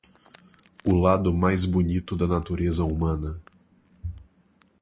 O lado mais bonito da natureza humana